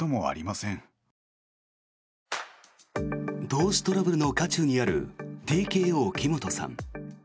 投資トラブルの渦中にあるＴＫＯ、木本さん。